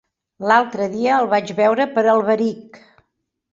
L'altre dia el vaig veure per Alberic.